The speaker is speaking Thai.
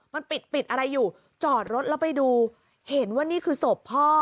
มันปิดปิดอะไรอยู่จอดรถแล้วไปดูเห็นว่านี่คือศพพ่อ